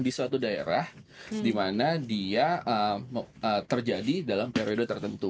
di suatu daerah dimana dia terjadi dalam periode tertentu